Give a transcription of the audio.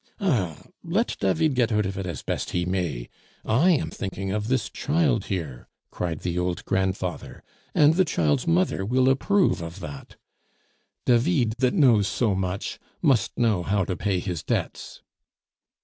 "Eh! let David get out of it as best he may. I am thinking of this child here," cried the old grandfather, "and the child's mother will approve of that. David that knows so much must know how to pay his debts."